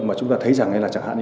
mà chúng ta thấy rằng